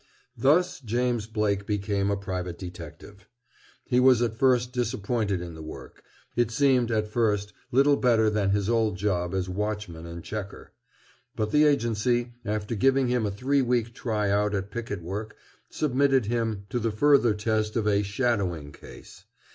Thus James Blake became a private detective. He was at first disappointed in the work. It seemed, at first, little better than his old job as watchman and checker. But the agency, after giving him a three week try out at picket work, submitted him to the further test of a "shadowing" case.